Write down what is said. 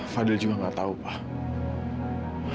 fadil juga nggak tahu pak